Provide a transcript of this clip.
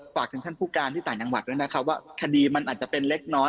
ฝากถึงท่านผู้การที่ต่างจังหวัดด้วยนะครับว่าคดีมันอาจจะเป็นเล็กน้อย